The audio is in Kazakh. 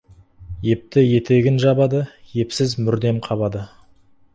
Епті етегін жабады, епсіз мүрдем қабады.